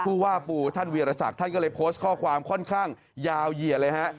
ผู้ว่าปูท่านเวียรศักดิ์ท่านก็เลยโพสต์ข้อความค่อนข้างยาวเหยียดเลยฮะ